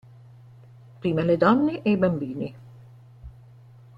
Prima le donne e i bambini